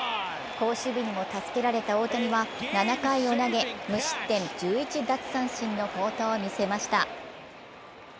好守備にも助けられた大谷は７回を投げ、無失点１１奪三振の好投を見せました。